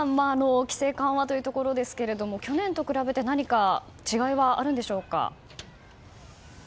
規制緩和というところですが去年と比べて何か違いはあるんでしょうか。